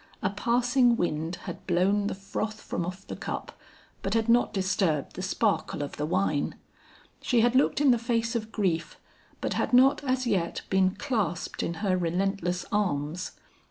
A passing wind had blown the froth from off the cup, but had not disturbed the sparkle of the wine. She had looked in the face of grief, but had not as yet been clasped in her relentless arms.